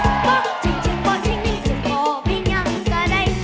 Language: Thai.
ปล้องจริงจริงป่อจริงนิ่งจริงป่อพี่ยังก็ได้